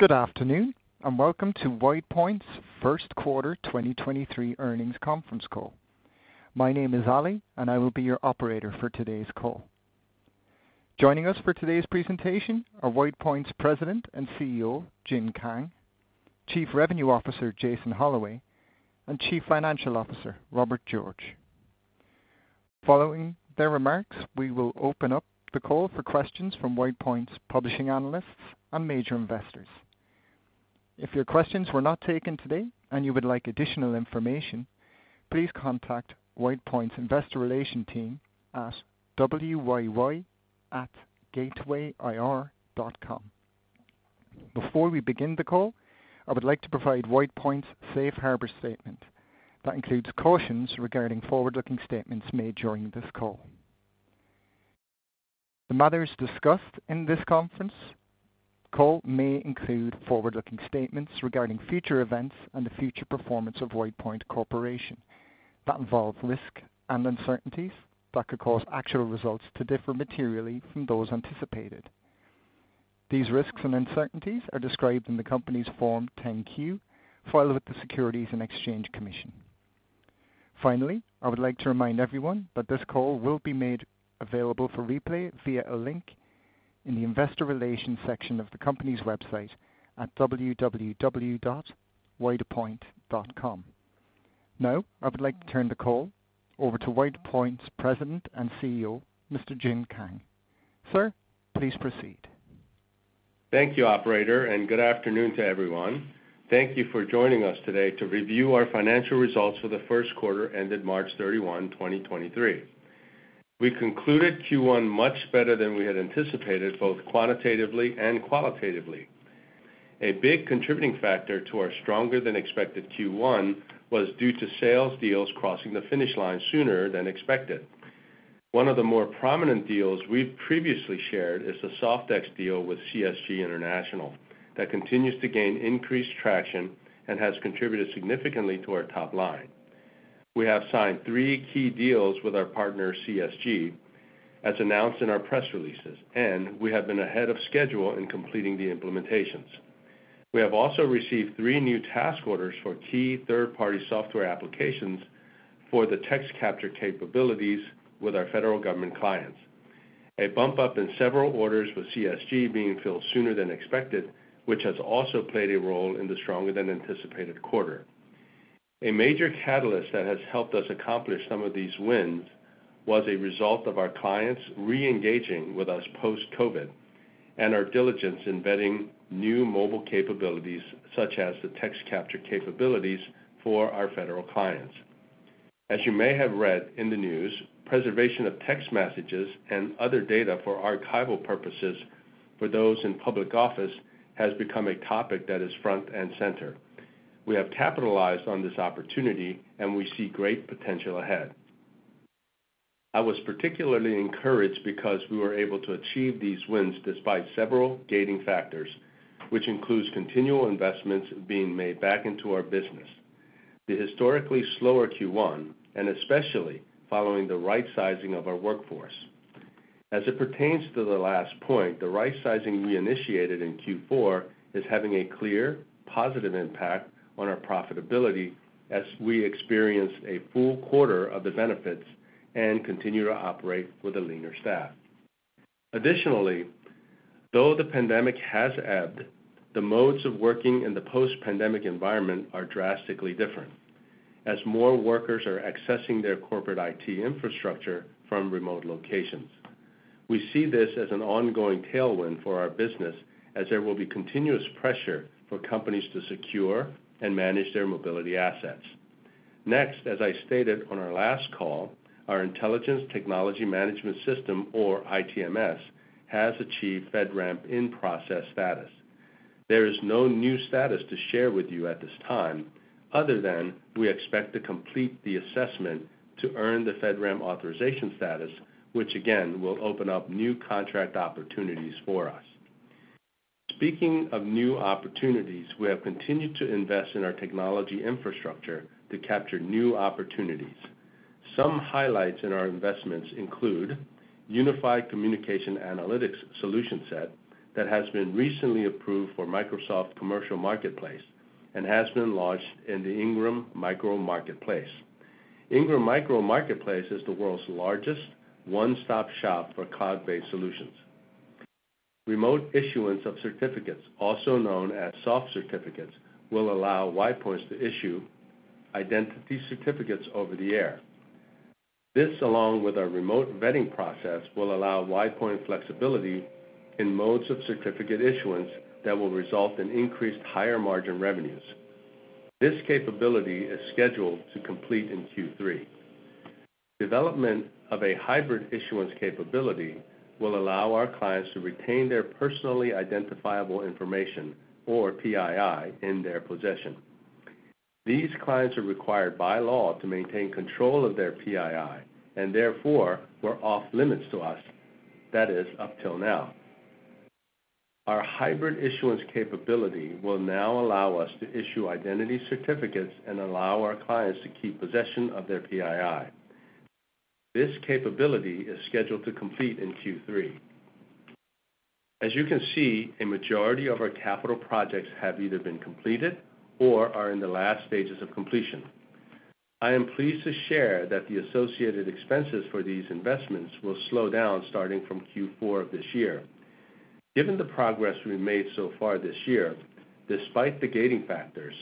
Good afternoon, welcome to WidePoint's Q1 2023 earnings conference call. My name is Ali, I will be your operator for today's call. Joining us for today's presentation are WidePoint's President and CEO, Jin Kang; Chief Revenue Officer, Jason Holloway; and Chief Financial Officer, Robert George. Following their remarks, we will open up the call for questions from WidePoint's publishing analysts and major investors. If your questions were not taken today and you would like additional information, please contact WidePoint's investor relation team at wyy@gatewayir.com. Before we begin the call, I would like to provide WidePoint's safe harbor statement that includes cautions regarding forward-looking statements made during this call. The matters discussed in this conference call may include forward-looking statements regarding future events and the future performance of WidePoint Corporation that involve risk and uncertainties that could cause actual results to differ materially from those anticipated. These risks and uncertainties are described in the company's Form 10-Q filed with the Securities and Exchange Commission. I would like to remind everyone that this call will be made available for replay via a link in the investor relations section of the company's website at www.widepoint.com. I would like to turn the call over to WidePoint's President and CEO, Mr. Jin Kang. Sir, please proceed. Thank you, Operator, and good afternoon to everyone. Thank you for joining us today to review our financial results for the Q1 ended March 31, 2023. We concluded Q1 much better than we had anticipated, both quantitatively and qualitatively. A big contributing factor to our stronger than expected Q1 was due to sales deals crossing the finish line sooner than expected. One of the more prominent deals we've previously shared is the Soft-ex deal with CSG International that continues to gain increased traction and has contributed significantly to our top line. We have signed three key deals with our partner, CSG, as announced in our press releases, and we have been ahead of schedule in completing the implementations. We have also received three new task orders for key third-party software applications for the text capture capabilities with our federal government clients. A bump up in several orders with CSG being filled sooner than expected, which has also played a role in the stronger than anticipated quarter. A major catalyst that has helped us accomplish some of these wins was a result of our clients re-engaging with us post-COVID, and our diligence in vetting new mobile capabilities such as the text capture capabilities for our federal clients. As you may have read in the news, preservation of text messages and other data for archival purposes for those in public office has become a topic that is front and center. We have capitalized on this opportunity, and we see great potential ahead. I was particularly encouraged because we were able to achieve these wins despite several gating factors, which includes continual investments being made back into our business, the historically slower Q1, and especially following the right sizing of our workforce. As it pertains to the last point, the right sizing we initiated in Q4 is having a clear positive impact on our profitability as we experience a full quarter of the benefits and continue to operate with a leaner staff. Though the pandemic has ebbed, the modes of working in the post-pandemic environment are drastically different as more workers are accessing their corporate IT infrastructure from remote locations. We see this as an ongoing tailwind for our business as there will be continuous pressure for companies to secure and manage their mobility assets. As I stated on our last call, our Intelligent Technology Management System or ITMS has achieved FedRAMP in process status. There is no new status to share with you at this time other than we expect to complete the assessment to earn the FedRAMP authorization status, which again will open up new contract opportunities for us. Speaking of new opportunities, we have continued to invest in our technology infrastructure to capture new opportunities. Some highlights in our investments include Unified Communication Analytics solution set that has been recently approved for Microsoft Commercial Marketplace and has been launched in the Ingram Micro Marketplace. Ingram Micro Marketplace is the world's largest one-stop shop for cloud-based solutions. Remote issuance of certificates, also known as soft certificates, will allow WidePoint's to issue identity certificates over the air. This, along with our remote vetting process, will allow WidePoint flexibility in modes of certificate issuance that will result in increased higher margin revenues. This capability is scheduled to complete in Q3. Development of a hybrid issuance capability will allow our clients to retain their personally identifiable information or PII in their possession. These clients are required by law to maintain control of their PII and therefore were off limits to us. That is, up till now. Our hybrid issuance capability will now allow us to issue identity certificates and allow our clients to keep possession of their PII. This capability is scheduled to complete in Q3. As you can see, a majority of our capital projects have either been completed or are in the last stages of completion. I am pleased to share that the associated expenses for these investments will slow down starting from Q4 of this year. Given the progress we've made so far this year, despite the gating factors,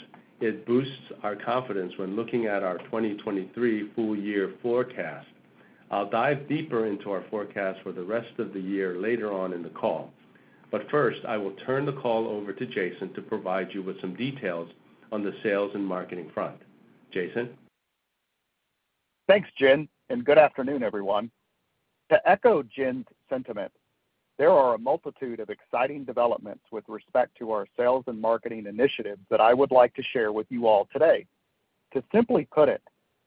it boosts our confidence when looking at our 2023 full year forecast. I'll dive deeper into our forecast for the rest of the year later on in the call. First, I will turn the call over to Jason to provide you with some details on the sales and marketing front. Jason? Thanks, Jin. Good afternoon, everyone. To echo Jin's sentiment, there are a multitude of exciting developments with respect to our sales and marketing initiatives that I would like to share with you all today. To simply put it,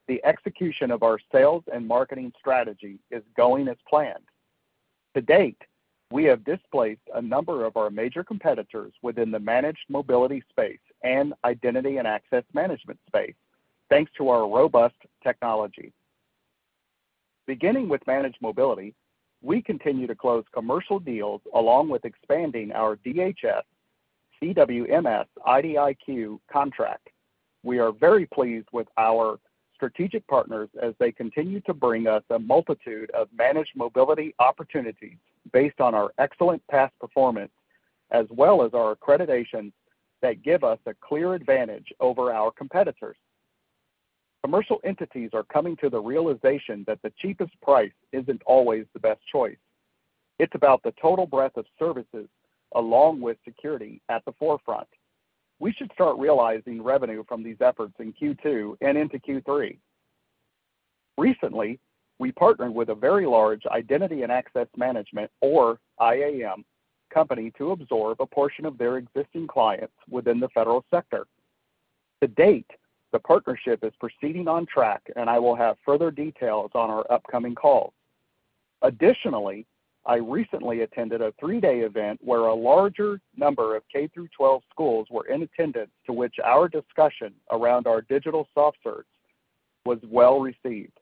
the execution of our sales and marketing strategy is going as planned. To date, we have displaced a number of our major competitors within the Managed Mobility space and Identity and Access Management space, thanks to our robust technology. Beginning with Managed Mobility, we continue to close commercial deals along with expanding our DHS CWMS IDIQ contract. We are very pleased with our strategic partners as they continue to bring us a multitude of Managed Mobility opportunities based on our excellent past performance, as well as our accreditations that give us a clear advantage over our competitors. Commercial entities are coming to the realization that the cheapest price isn't always the best choice. It's about the total breadth of services along with security at the forefront. We should start realizing revenue from these efforts in Q2 and into Q3. Recently, we partnered with a very large Identity and Access Management or IAM company to absorb a portion of their existing clients within the federal sector. To date, the partnership is proceeding on track, and I will have further details on our upcoming calls. I recently attended a three days event where a larger number of K-12 schools were in attendance to which our discussion around our digital soft certs was well received.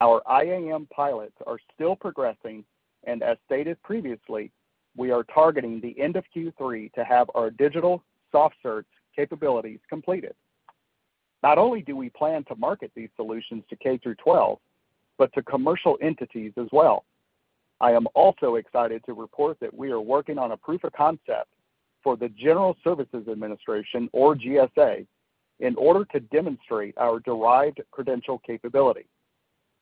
Our IAM pilots are still progressing, and as stated previously, we are targeting the end of Q3 to have our digital soft certs capabilities completed. Not only do we plan to market these solutions to K-12, but to commercial entities as well. I am also excited to report that we are working on a proof of concept for the General Services Administration or GSA in order to demonstrate our derived credential capability.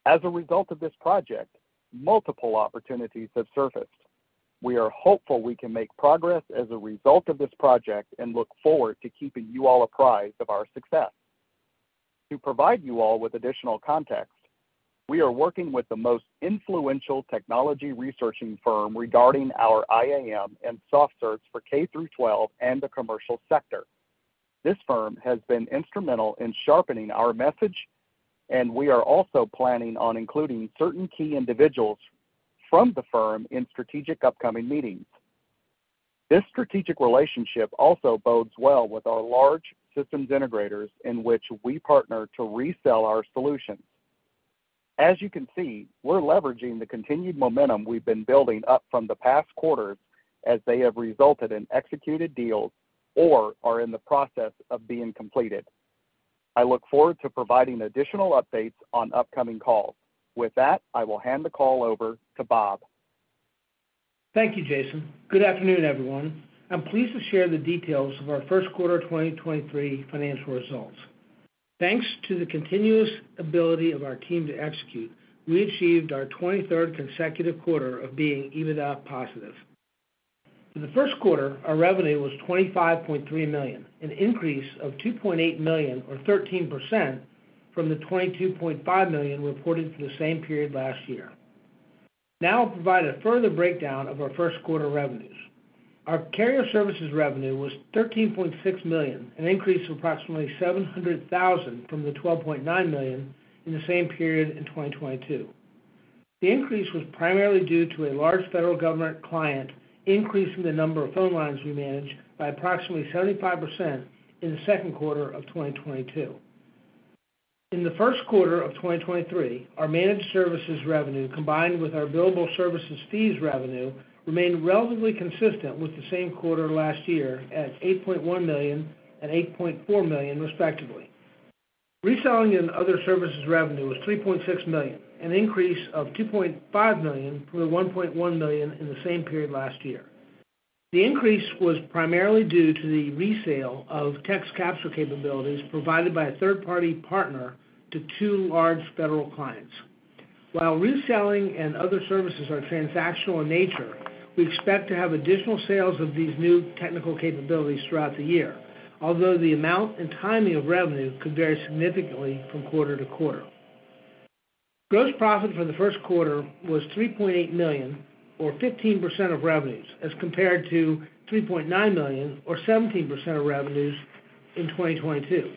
As a result of this project, multiple opportunities have surfaced. We are hopeful we can make progress as a result of this project and look forward to keeping you all apprised of our success. To provide you all with additional context, we are working with the most influential technology researching firm regarding our IAM and soft certs for K-12 and the commercial sector. This firm has been instrumental in sharpening our message, and we are also planning on including certain key individuals from the firm in strategic upcoming meetings. This strategic relationship also bodes well with our large systems integrators in which we partner to resell our solutions. As you can see, we're leveraging the continued momentum we've been building up from the past quarters as they have resulted in executed deals or are in the process of being completed. I look forward to providing additional updates on upcoming calls. With that, I will hand the call over to Bob. Thank you, Jason. Good afternoon, everyone. I'm pleased to share the details of our Q1 2023 financial results. Thanks to the continuous ability of our team to execute, we achieved our 23rd consecutive quarter of being EBITDA positive. For the Q1, our revenue was $25.3 million, an increase of $2.8 million or 13% from the $22.5 million reported for the same period last year. I'll provide a further breakdown of our Q1 revenues. Our carrier services revenue was $13.6 million, an increase of approximately $700,000 from the $12.9 million in the same period in 2022. The increase was primarily due to a large federal government client increasing the number of phone lines we manage by approximately 75% in the Q2 of 2022. In the Q1 of 2023, our managed services revenue combined with our billable services fees revenue remained relatively consistent with the same quarter last year at $8.1 million and $8.4 million, respectively. Reselling and other services revenue was $3.6 million, an increase of $2.5 million from the $1.1 million in the same period last year. The increase was primarily due to the resale of text capture capabilities provided by a third-party partner to two large federal clients. While reselling and other services are transactional in nature, we expect to have additional sales of these new technical capabilities throughout the year. Although the amount and timing of revenue could vary significantly from quarter to quarter. Gross profit for the Q1 was $3.8 million or 15% of revenues as compared to $3.9 million or 17% of revenues in 2022.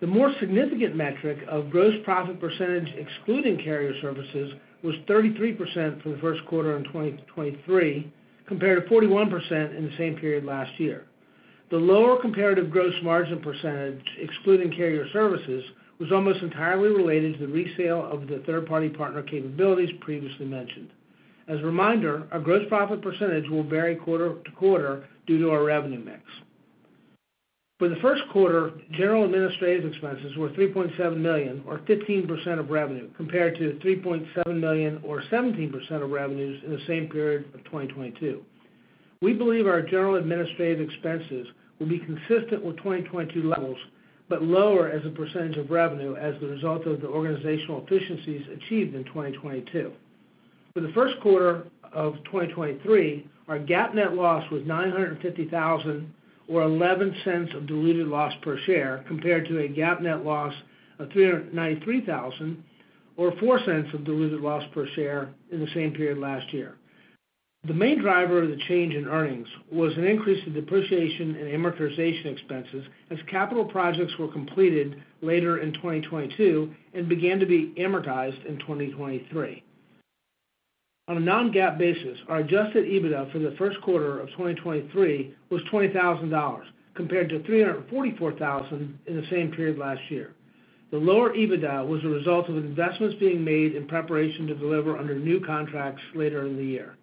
The more significant metric of gross profit percentage excluding carrier services was 33% for the Q1 in 2023, compared to 41% in the same period last year. The lower comparative gross margin percentage, excluding carrier services, was almost entirely related to the resale of the third-party partner capabilities previously mentioned. As a reminder, our gross profit percentage will vary quarter to quarter due to our revenue mix. For the Q1, general administrative expenses were $3.7 million or 15% of revenue, compared to $3.7 million or 17% of revenues in the same period of 2022. We believe our general administrative expenses will be consistent with 2022 levels, but lower as a % of revenue as a result of the organizational efficiencies achieved in 2022. For the Q1 of 2023, our GAAP net loss was $950,000 or $0.11 of diluted loss per share, compared to a GAAP net loss of $393,000 or $0.04 of diluted loss per share in the same period last year. The main driver of the change in earnings was an increase in depreciation and amortization expenses as capital projects were completed later in 2022 and began to be amortized in 2023. On a non-GAAP basis, our adjusted EBITDA for the Q1 of 2023 was $20,000 compared to $344,000 in the same period last year. The lower EBITDA was a result of investments being made in preparation to deliver under new contracts later in the year.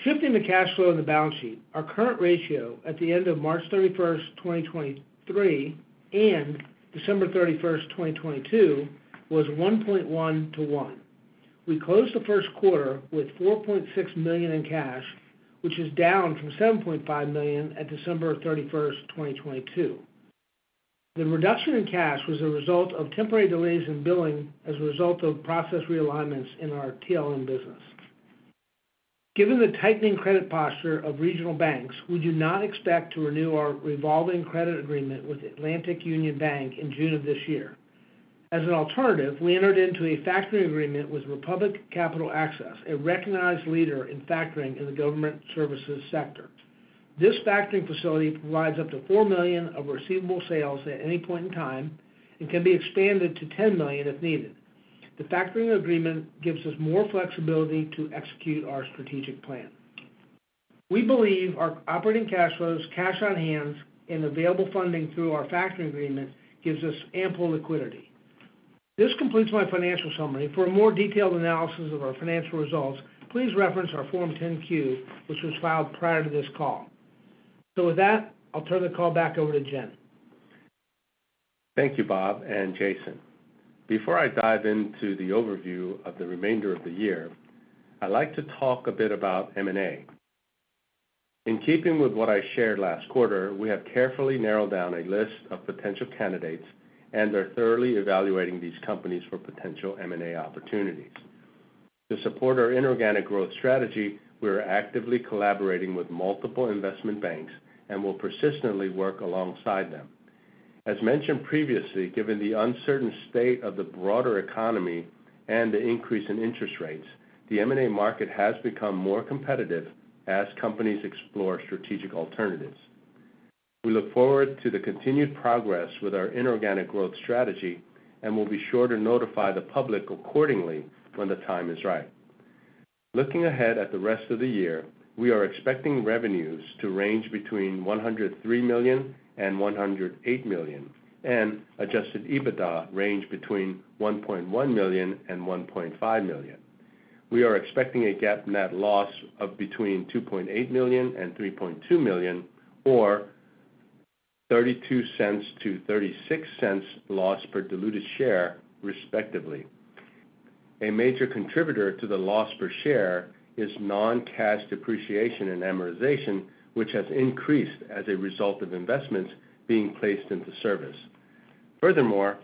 Shifting to cash flow and the balance sheet. Our current ratio at the end of March 31st, 2023 and December 31st, 2022 was 1.1 to 1. We closed the Q1 with $4.6 million in cash, which is down from $7.5 million at December 31st, 2022. The reduction in cash was a result of temporary delays in billing as a result of process realignments in our TLM business. Given the tightening credit posture of regional banks, we do not expect to renew our revolving credit agreement with Atlantic Union Bank in June of this year. As an alternative, we entered into a factoring agreement with Republic Capital Access, a recognized leader in factoring in the government services sector. This factoring facility provides up to $4 million of receivable sales at any point in time and can be expanded to $10 million if needed. The factoring agreement gives us more flexibility to execute our strategic plan. We believe our operating cash flows, cash on hand, and available funding through our factoring agreement gives us ample liquidity. This completes my financial summary. For a more detailed analysis of our financial results, please reference our Form 10-Q, which was filed prior to this call. With that, I'll turn the call back over to Jin. Thank you, Bob and Jason. Before I dive into the overview of the remainder of the year, I'd like to talk a bit about M&A. In keeping with what I shared last quarter, we have carefully narrowed down a list of potential candidates and are thoroughly evaluating these companies for potential M&A opportunities. To support our inorganic growth strategy, we are actively collaborating with multiple investment banks and will persistently work alongside them. As mentioned previously, given the uncertain state of the broader economy and the increase in interest rates, the M&A market has become more competitive as companies explore strategic alternatives. We look forward to the continued progress with our inorganic growth strategy, we'll be sure to notify the public accordingly when the time is right. Looking ahead at the rest of the year, we are expecting revenues to range between $103 million and $108 million, and adjusted EBITDA range between $1.1 million and $1.5 million. We are expecting a GAAP net loss of between $2.8 million and $3.2 million or $0.32 to $0.36 loss per diluted share, respectively. A major contributor to the loss per share is non-cash depreciation and amortization, which has increased as a result of investments being placed into service. Furthermore,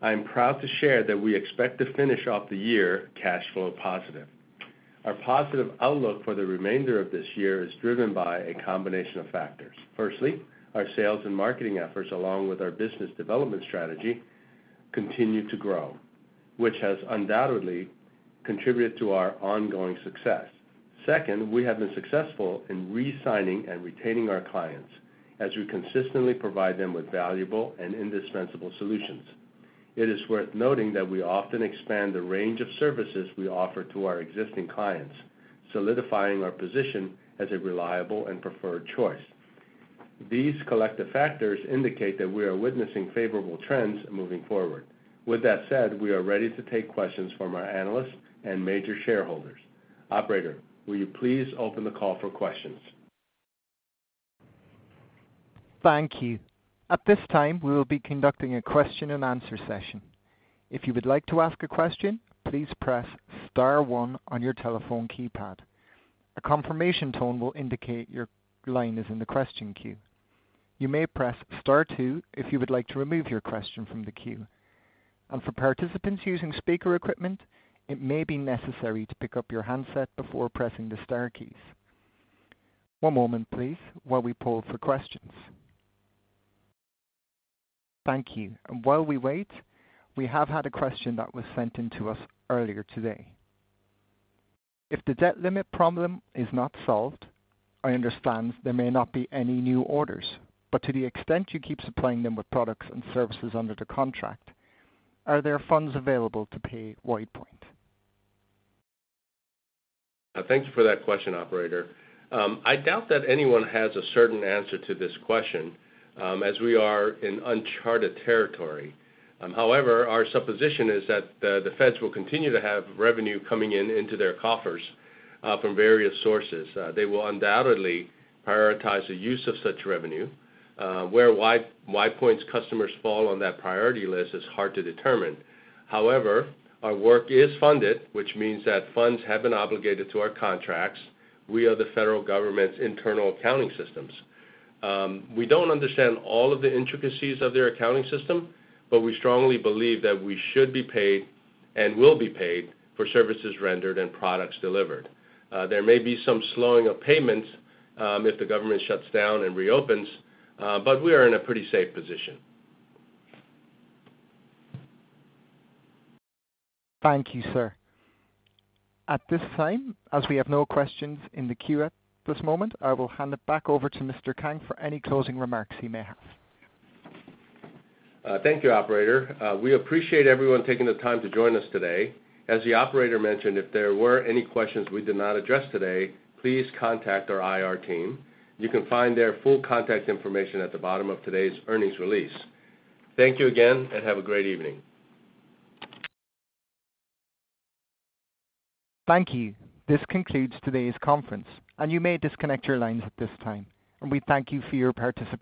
I am proud to share that we expect to finish off the year cash flow positive. Our positive outlook for the remainder of this year is driven by a combination of factors. Firstly, our sales and marketing efforts, along with our business development strategy, continue to grow, which has undoubtedly contributed to our ongoing success. Second, we have been successful in resigning and retaining our clients as we consistently provide them with valuable and indispensable solutions. It is worth noting that we often expand the range of services we offer to our existing clients, solidifying our position as a reliable and preferred choice. These collective factors indicate that we are witnessing favorable trends moving forward. With that said, we are ready to take questions from our analysts and major shareholders. Operator, will you please open the call for questions? Thank you. At this time, we will be conducting a question and answer session. If you would like to ask a question, please press star one on your telephone keypad. A confirmation tone will indicate your line is in the question queue. You may press star two if you would like to remove your question from the queue. For participants using speaker equipment, it may be necessary to pick up your handset before pressing the star keys. One moment please while we poll for questions. Thank you. While we wait, we have had a question that was sent in to us earlier today. If the debt limit problem is not solved, I understand there may not be any new orders, but to the extent you keep supplying them with products and services under the contract, are there funds available to pay WidePoint? Thank you for that question, Operator. I doubt that anyone has a certain answer to this question, as we are in uncharted territory. Our supposition is that the feds will continue to have revenue coming in into their coffers from various sources. They will undoubtedly prioritize the use of such revenue, where WidePoint's customers fall on that priority list is hard to determine. Our work is funded, which means that funds have been obligated to our contracts. We are the federal government's internal accounting systems. We don't understand all of the intricacies of their accounting system, we strongly believe that we should be paid and will be paid for services rendered and products delivered. There may be some slowing of payments, if the government shuts down and reopens, we are in a pretty safe position. Thank you, sir. At this time, as we have no questions in the queue at this moment, I will hand it back over to Jin Kang for any closing remarks he may have. Thank you, Operator. We appreciate everyone taking the time to join us today. As the Operator mentioned, if there were any questions we did not address today, please contact our IR team. You can find their full contact information at the bottom of today's earnings release. Thank you again, and have a great evening. Thank you. This concludes today's conference, and you may disconnect your lines at this time. We thank you for your participation.